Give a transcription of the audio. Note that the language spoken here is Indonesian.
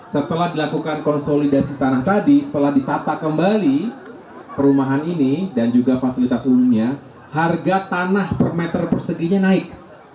setelah dilakukan konsolidasi tanah tadi setelah ditata kembali perumahan ini dan juga fasilitas umumnya harga tanah per meter perseginya naik